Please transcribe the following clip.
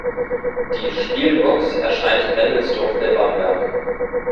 Die "spielbox" erscheint in Memmelsdorf bei Bamberg.